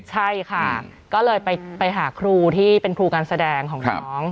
ใช่ค่ะก็เลยไปหาครูที่เป็นครูการแสดงของน้อง